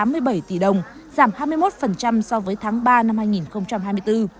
bình quân phiên đạt tám một trăm tám mươi bảy tỷ đồng giảm hai mươi một so với tháng ba năm hai nghìn hai mươi bốn